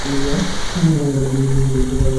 কারণ এলাকাটি শুষ্ক ছিল তবে সবসময় তা ছিল না।